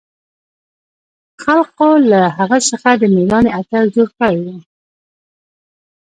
خلقو له هغه څخه د مېړانې اتل جوړ کړى و.